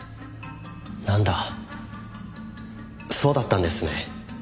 なんだそうだったんですね。